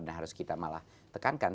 dan harus kita malah tekankan